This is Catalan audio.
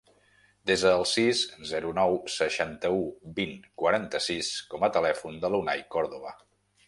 Desa el sis, zero, nou, seixanta-u, vint, quaranta-sis com a telèfon de l'Unai Cordova.